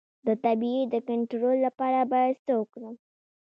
د تبې د کنټرول لپاره باید څه وکړم؟